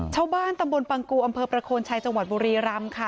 ชาวบ้านตำบลปังกูอำเภอประโคนชัยจังหวัดบุรีรำค่ะ